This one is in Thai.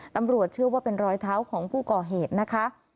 ตำรวจเชื่อว่าเป็นรอยเท้าของผู้ก่อเหตุนะคะ